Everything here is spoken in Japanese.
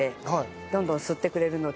どんどん吸ってくれるので。